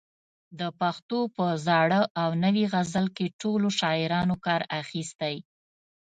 د پښتو په زاړه او نوي غزل کې ټولو شاعرانو کار اخیستی.